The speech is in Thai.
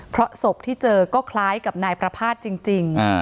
เพราะศพที่เจอก็คล้ายกับนายประภาษณ์จริง